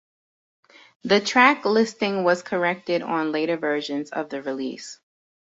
The track listing was corrected on later versions of the release.